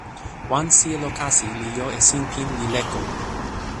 wan sijelo kasi li jo e sinpin li leko.